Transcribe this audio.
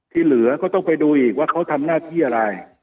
ที่เหลือก็ต้องไปดูอีกว่าเขาทำหน้าที่อะไร